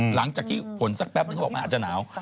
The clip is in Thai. หลังจากที่ฝนสักแปบอาจจะหนาว